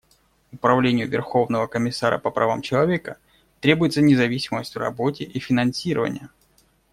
Управлению Верховного комиссара по правам человека требуется независимость в работе и финансирование.